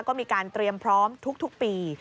ก็มีการเตรียมพร้อมทุกปี